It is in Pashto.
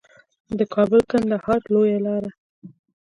د کابل کندهار لویه لار